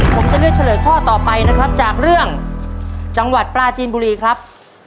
ผมจะเลือกเฉลยข้อต่อไปนะครับจากเรื่องจังหวัดปลาจีนบุรีครับ